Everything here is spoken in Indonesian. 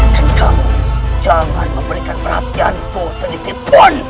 dan kamu jangan memberikan perhatianku sedikitpun